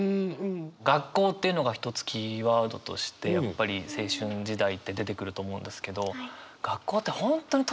「学校」っていうのが一つキーワードとしてやっぱり青春時代って出てくると思うんですけど学校って本当に特殊な機関。というか箱。